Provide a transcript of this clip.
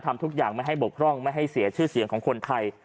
ทำทุกอย่างไม่ให้บกพร่องไม่ให้เสียชื่อเสียงของคนไทย